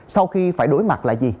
sau khi phải đối mặt lại gì